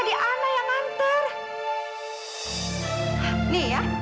nih ya dengerin suaranya